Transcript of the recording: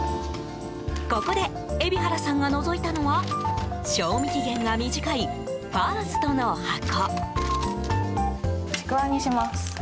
ここで海老原さんがのぞいたのは賞味期限が短いファーストの箱。